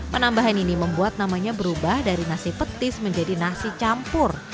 penambahan ini membuat namanya berubah dari nasi petis menjadi nasi campur